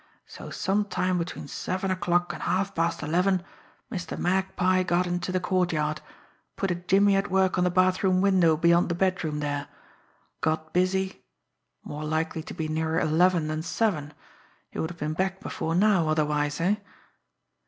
So some time between seven o'clock and halfpast eleven, Mr. Magpie got into the courtyard, put a jimmy at work on the bathroom window beyond the bedroom there, got busy more likely to be nearer eleven than seven he would have been back before now, otherwise, eh?"